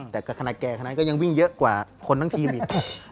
แต่ขนาดแก่ขนาดนั้นก็ยังวิ่งเยอะกว่าคนทั้งทีมอีก